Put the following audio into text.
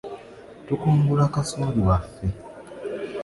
Tukungula kasooli waffe.